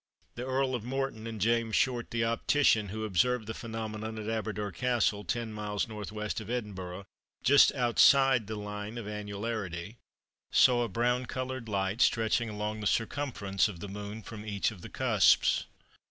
The Earl of Morton and James Short, the optician, who observed the phenomenon at Aberdour Castle, 10 miles N. W. of Edinburgh, just outside the line of annularity, saw a brown coloured light stretching along the circumference of the Moon from each of the cusps.